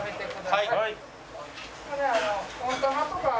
はい。